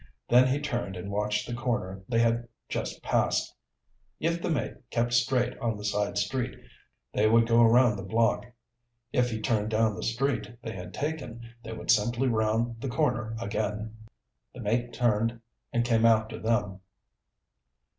Then he turned and watched the corner they had just passed. If the mate kept straight on the side street, they would go around the block. If he turned down the street they had taken, they would simply round the corner again. The mate turned and came after them.